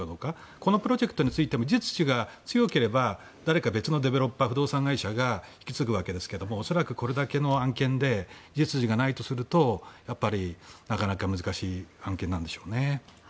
このプロジェクトについても実需が強ければ誰か別のディベロッパー不動産会社が引き継ぐわけですが恐らく、これだけの案件で実需がないとすると、なかなか難しい案件なんでしょうね。